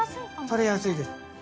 取れやすいです。